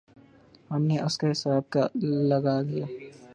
ہم نے اس کا حساب لگا لیا۔